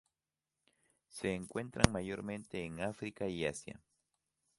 Se encuentran mayormente en África y Asia.